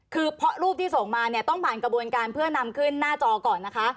คือเพราะรูปที่ส่งมาเนี่ยต้องผ่านกระบวนการเพื่อนำขึ้นหน้าจอก่อนนะคะ